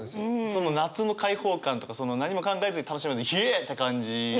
その夏の開放感とかその何も考えずに楽しめるイェエって感じ。